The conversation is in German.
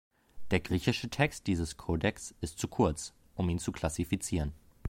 Der griechische Text dieses Kodex ist zu kurz, um ihn zu klassifizieren.